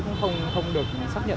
chứ cũng không được xác nhận